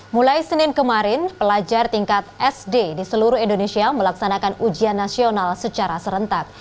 mulai senin kemarin pelajar tingkat sd di seluruh indonesia melaksanakan ujian nasional secara serentak